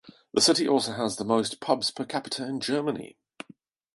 The city also has the most pubs per capita in Germany.